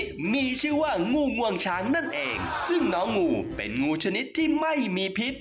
ที่มีชื่อว่างูงวงช้างนั่นเองซึ่งน้องงูเป็นงูชนิดที่ไม่มีพิษ